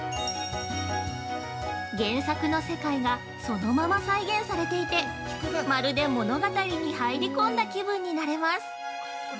原作の世界がそのまま再現されていてまるで物語に入り込んだ気分になれます。